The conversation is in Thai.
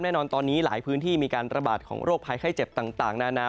แน่นอนตอนนี้หลายพื้นที่มีการระบาดของโรคภัยไข้เจ็บต่างนานา